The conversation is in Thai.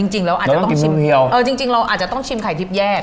จริงแล้วอาจจะต้องชิมไข่ทิบแยก